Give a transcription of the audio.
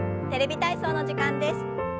「テレビ体操」の時間です。